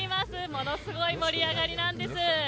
ものすごい盛り上がりなんです。